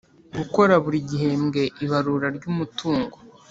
Gukora buri gihembwe ibarura ry umutungo